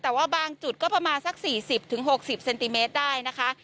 แต่ว่าบางจุดก็ประมาณสัก๔๐๖๐เซนติเมตรได้นะคะ